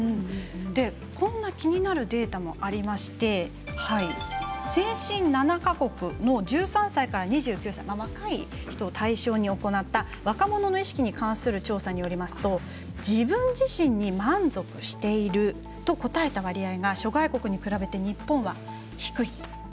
こんな気になるデータもありまして先進７か国の１３歳から２９歳若い人を対象に行った若者の意識に関する調査によりますと自分自身に満足していると答えた割合が諸外国に比べて日本は低い。